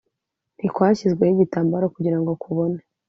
ntikwashyizweho igitambaro kugira ngo kubone